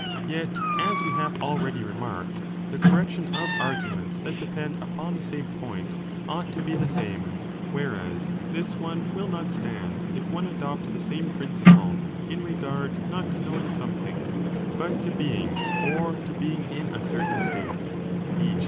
Yet, as we have already remarked, 1 the correction of arguments that depend upon the same point ought to be the same, whereas this one will not stand if one adopts the same principle in regard not to knowing something, but to being, or to being in a certain state, e.